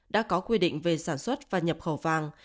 đã có quy định về sản xuất và nhập khẩu vàng